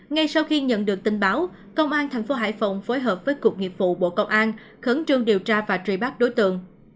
ngay sau khi nhận được tin báo công an tp hải phòng phối hợp với cục nghiệp vụ bộ công an khẩn trương điều tra và truy bắt đối tượng